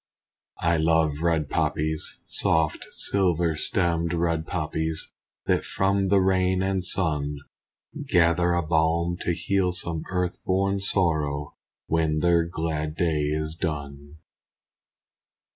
I love red poppies! Soft silver stemmed, red poppies, That from the rain and sun Gather a balm to heal some earth born sorrow, When their glad day is done.